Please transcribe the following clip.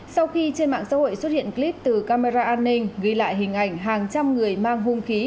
sau khi trên mạng xã hội xuất hiện clip từ camera an ninh ghi lại hình ảnh hàng trăm người mang hung khí